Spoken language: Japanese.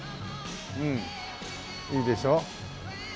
うんいいでしょ？